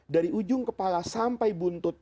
dari ujung kepala sampai buntut